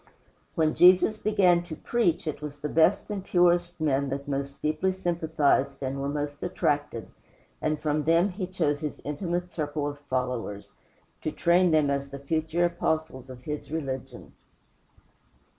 When Jesus began to preach, it was the best and purest men that most deeply sympathized and were most attracted, and from them he chose his intimate circle of followers to train them as the future Apostles of his religion.